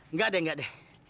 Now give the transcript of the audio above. nggak deh nggak deh